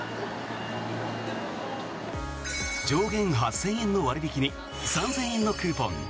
上限８０００円の割引に３０００円のクーポン。